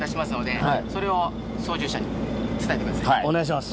お願いします。